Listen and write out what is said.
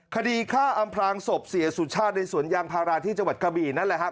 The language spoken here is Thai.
คดีฆ่าอำพลางศพเสียสุชาติในสวนยางพาราที่จังหวัดกะบี่นั่นแหละครับ